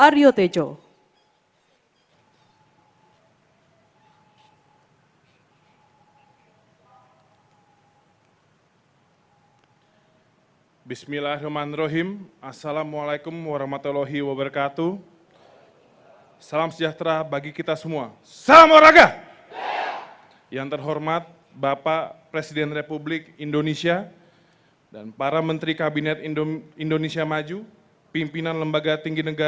raya kebangsaan indonesia raya